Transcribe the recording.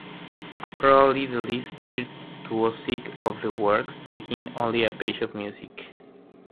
Probably the least virtuosic of the works, taking only a page of music.